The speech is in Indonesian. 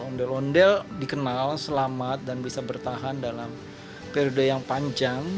ondel ondel dikenal selamat dan bisa bertahan dalam periode yang panjang